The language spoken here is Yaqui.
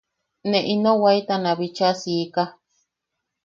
Ne ino waetana bichaa siika.